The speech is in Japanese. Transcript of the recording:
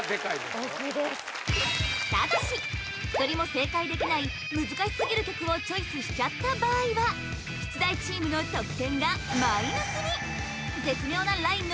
ただし一人も正解できない難しすぎる曲をチョイスしちゃった場合は出題チームの得点がマイナスに！